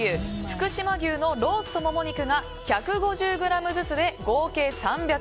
福島牛のロースとモモ肉が１５０ｇずつで合計３００ｇ。